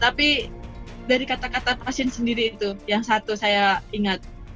tapi dari kata kata pasien sendiri itu yang satu saya ingat